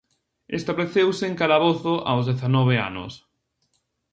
Estableceuse en Calabozo aos dezanove anos.